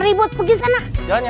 terus uber uberusan kacainya